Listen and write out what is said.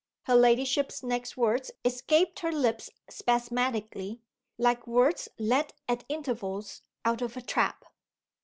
Her ladyship's next words escaped her lips spasmodically, like words let at intervals out of a trap.